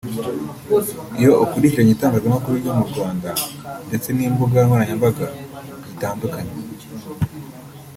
Iyo ukurikiranye itangazamakuru ryo mu Rwanda ndetse n’imbuga nkoranyambaga zitandukanye